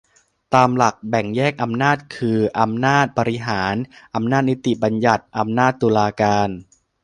ตามหลักแบ่งแยกอำนาจคือ อำนาจบริหาร อำนาจนิติบัญญัติ อำนาจตุลาการ